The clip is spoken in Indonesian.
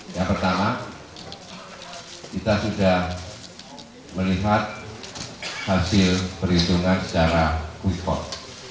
yang pertama kita sudah melihat hasil perhitungan secara quick court